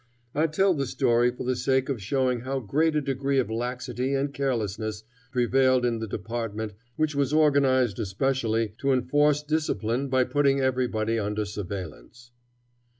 I tell the story for the sake of showing how great a degree of laxity and carelessness prevailed in the department which was organized especially to enforce discipline by putting everybody under surveillance.